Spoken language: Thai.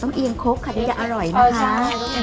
ต้องเอียงโค๊กค่ะนี่จะอร่อยนะค่ะ